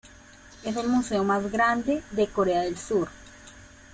Es el museo más grande de Corea del Sur.